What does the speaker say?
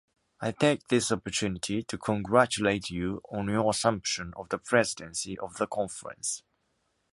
I take this opportunity to congratulate you on your assumption of the presidency of the Conference.